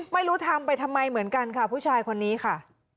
ไม่รู้ทำไปทำไมเหมือนกันค่ะผู้ชายคนนี้ค่ะ